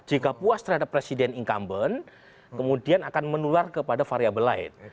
jika puas terhadap presiden incumbent kemudian akan menular kepada variable lain